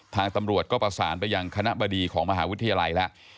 ทางตำรวจก็ประสานไปยังคณะบดีของมหาวิทยาลัยแล้ว